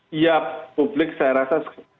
setiap publik saya rasa